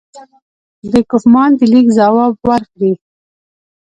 د کوفمان د لیک ځواب ورکړي.